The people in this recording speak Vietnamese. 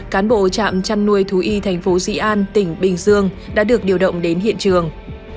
cán bộ trạm chăn nuôi thú y thành phố dị an tỉnh bình dương đã được điều động đến hiện trường